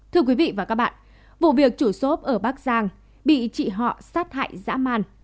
thưa quý vị và các bạn vụ việc chủ xốp ở bắc giang bị chị họ sát hại dã man